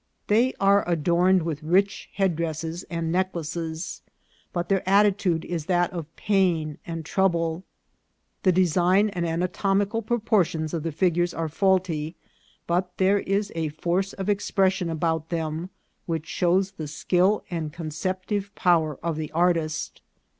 They are adorned with rich headdresses and neck laces, but their attitude is that of pain and trouble. The design and anatomical proportions of the figures are faulty, but there is a force of expression about them which shows the skill and conceptive power of the ar tist.